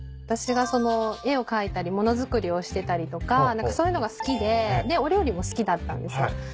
私が絵を描いたり物作りをしてたりとかそういうのが好きででお料理も好きだったんです。